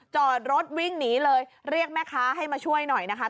จอดรถวิ่งหนีเลยเรียกแม่ค้าให้มาช่วยหน่อยนะคะ